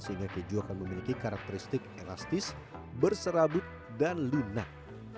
sehingga keju akan memiliki karakteristik elastis berserabut dan lunak